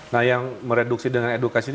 nah yang mereduksi dengan edukasi ini